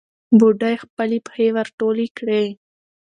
بوډۍ خپلې پښې ور ټولې کړې.